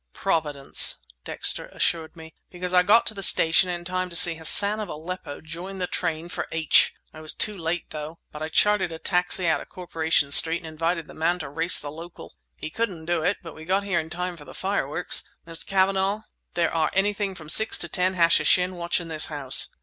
"Providence!" Dexter assured me. "Because I got on the station in time to see Hassan of Aleppo join the train for H—! I was too late, though. But I chartered a taxi out on Corporation Street and invited the man to race the local! He couldn't do it, but we got here in time for the fireworks! Mr. Cavanagh, there are anything from six to ten Hashishin watching this house!"